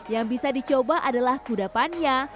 yang bisa dicoba adalah kudapannya